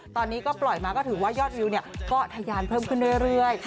ตอนนี้ก็ปล่อยมาก็ถือว่ายอดวิวก็ทะยานเพิ่มขึ้นเรื่อย